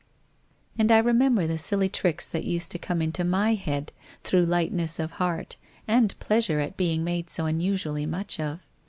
And I remember the silly tricks that used to come into my head through lightness of heart, and pleasure at being made so unusually much of.